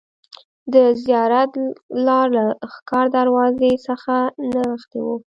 د زیارت لار له ښکار دروازې څخه نښتې وه.